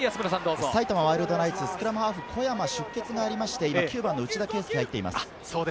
埼玉ワイルドナイツ、小山は出血がありまして、９番の内田啓介が入っています。